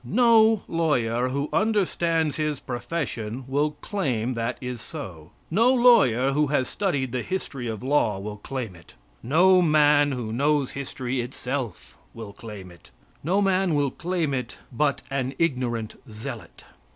No lawyer who understands his profession will claim that is so. No lawyer who has studied the history of law will claim it. No man who knows history itself will claim it. No man will claim it but an ignorant zealot.